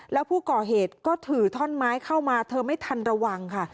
แล้วผู้ก่อเหตุก็ถือท่อนไม้เข้ามาเธอไม่ทันระวังค่ะ